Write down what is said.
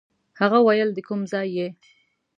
هغه ویل د کوم ځای یې.